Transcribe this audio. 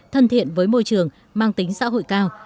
thân thiện với môi trường mang tính xã hội cao